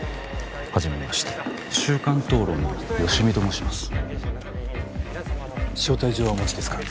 初めまして週刊討論の吉見と申します招待状はお持ちですか？